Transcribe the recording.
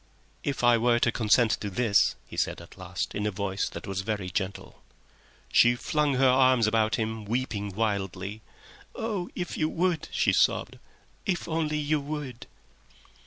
"If I were to consent to this?" he said at last, in a voice that was very gentle. She flung her arms about him, weeping wildly. "Oh, if you would," she sobbed, "if only you would!"